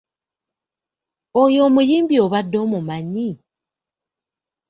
Oyo omuyimbi obadde omumanyi?